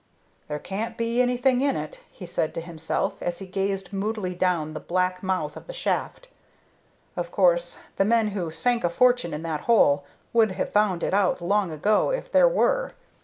"There can't be anything in it," he said to himself, as he gazed moodily down the black mouth of the shaft. "Of course, the men who sank a fortune in that hole would have found it out long ago if there were.